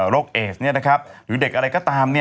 โรคเอสเนี่ยนะครับหรือเด็กอะไรก็ตาม